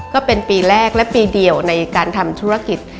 ก็เป็นปีแรกและปีเดียวในการทำธุรกิจ